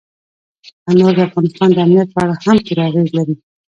انار د افغانستان د امنیت په اړه هم پوره اغېز لري.